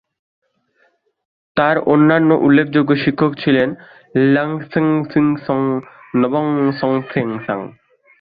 তার অন্যান্য উল্লেখযোগ্য শিক্ষক ছিলেন ল্হা-ম্ছোগ-সেং-গে নামক নবম ঙ্গোর-ছেন।